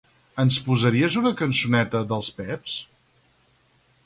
Ens posaries una cançoneta d'Els Pets?